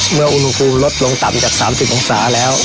อุณหภูมิลดลงต่ำจาก๓๐องศาแล้ว